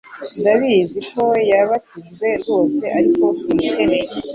ndabizi ko yabatijwe rwose ariko simukeneye